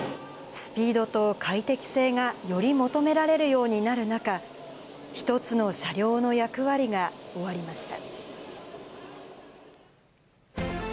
スピードと快適性がより求められるようになる中、一つの車両の役割が終わりました。